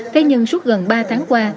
thế nhưng suốt gần ba tháng qua